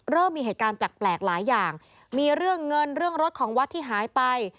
เริ่มมีเหตุการณ์แปลกหลายอย่างมีเรื่องเงินเรื่องรถของวัดที่หายไป